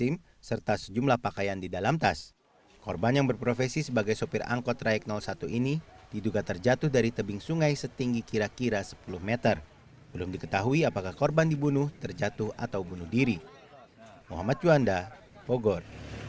muhammad juanda bogor